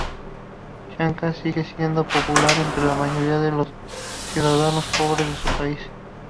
Sankara sigue siendo popular entre la mayoría de los ciudadanos pobres de su país.